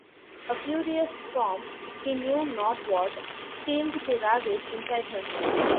A furious storm, he knew not what, seemed to ravage inside him.